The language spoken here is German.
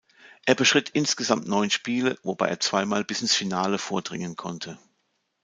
Er bestritt insgesamt neun Spiele, wobei er zweimal bis ins Finale vordringen konnte.